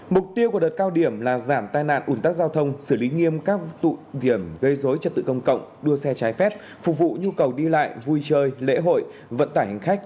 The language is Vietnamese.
mục tiêu của đợt cao điểm là giảm tai nạn ủn tắc giao thông xử lý nghiêm các tụ điểm gây dối trật tự công cộng đua xe trái phép phục vụ nhu cầu đi lại vui chơi lễ hội vận tải hành khách